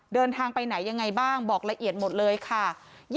เดินทางไปไหนยังไงบ้างบอกละเอียดหมดเลยค่ะ